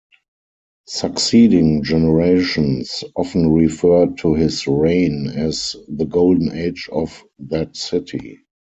Succeeding generations often referred to his reign as the golden age of that city.